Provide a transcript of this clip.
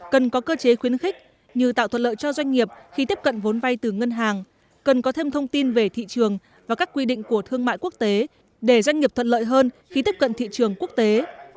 các doanh nghiệp khi tiếp cận vốn vay từ ngân hàng cần có thêm thông tin về thị trường và các quy định của thương mại quốc tế để doanh nghiệp thuận lợi hơn khi tiếp cận thị trường quốc tế